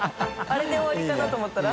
あれで終わりかな？と思ったら。